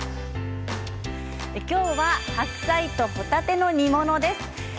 今日は白菜とほたての煮物です。